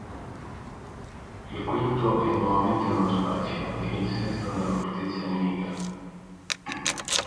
Il quinto è nuovamente nello spazio e il sesto nella fortezza nemica.